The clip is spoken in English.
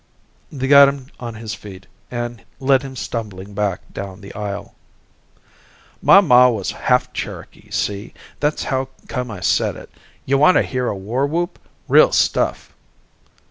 They got him on his feet, and led him stumbling back down the aisle. "My ma was half Cherokee, see? That's how come I said it. You wanta hear a war whoop? Real stuff."